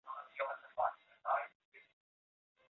肉叶鞘蕊花为唇形科鞘蕊花属下的一个种。